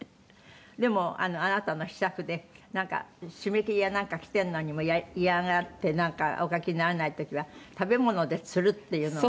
でもあなたの秘策でなんか締め切りやなんか来てるのに嫌がってなんかお書きにならない時は食べ物で釣るっていうのが？